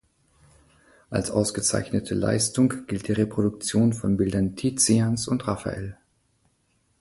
Als ausgezeichnete Leistung gilt die Reproduktion von Bildern Tizians und Raffael.